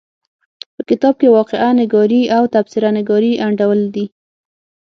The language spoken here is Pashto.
په کتاب کې واقعه نګاري او تبصره نګاري انډول دي.